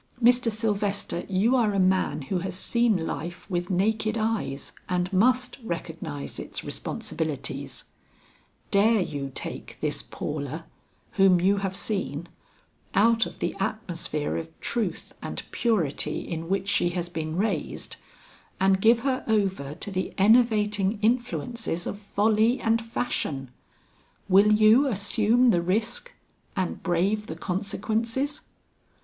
Mr. Sylvester you are a man who has seen life with naked eyes, and must recognize its responsibilities; dare you take this Paula, whom you have seen, out of the atmosphere of truth and purity in which she has been raised, and give her over to the enervating influences of folly and fashion? Will you assume the risk and brave the consequences?"